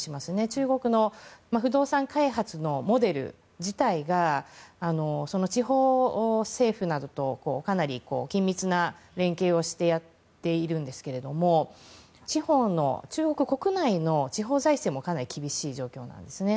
中国の不動産開発のモデル自体が地方政府などとかなり緊密な連携をしてやっているんですけど中国国内の地方財政もかなり厳しい状況なんですね。